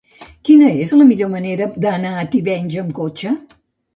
Quina és la millor manera d'anar a Tivenys amb cotxe?